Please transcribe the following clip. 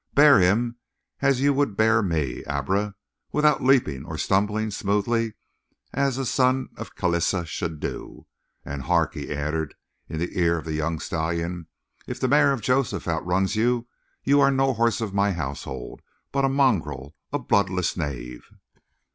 Bear him as you would bear me, Abra, without leaping or stumbling, smoothly, as son of Khalissa should do. And hark," he added in the ear of the young stallion; "if the mare of Joseph outruns you, you are no horse of my household, but a mongrel, a bloodless knave."